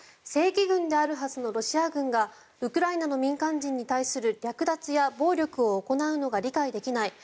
正規軍であるはずのロシア軍がウクライナの民間人に対する略奪や暴力を行うのが理解できない。